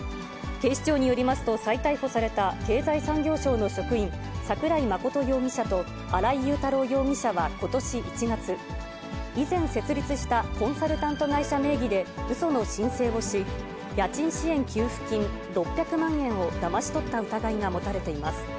警視庁によりますと、再逮捕された経済産業省の職員、桜井真容疑者と新井雄太郎容疑者はことし１月、以前設立したコンサルタント会社名義でうその申請をし、家賃支援給付金６００万円をだまし取った疑いが持たれています。